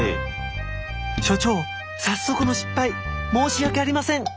所長早速の失敗申し訳ありません！